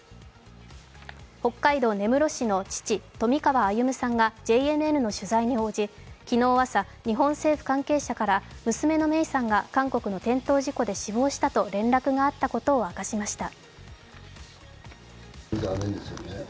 北海道根室市の父、冨川歩さんがＪＮＮの取材に応じ昨日朝日本政府関係者から娘の芽生さんが韓国の転倒事故で死亡したと連絡があったことを明かしました。